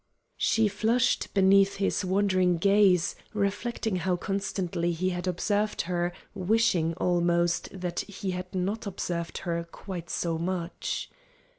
She flushed beneath his wondering gaze, reflecting how constantly he had observed her, wishing almost that he had not observed her quite so much.